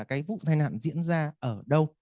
một thông tin nạn diễn ra ở đâu